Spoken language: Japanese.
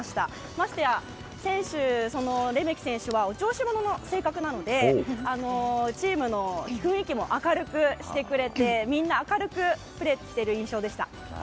ましてや、レメキ選手はお調子者の性格なのでチームの雰囲気も明るくしてくれてみんな明るくプレーしている印象でした。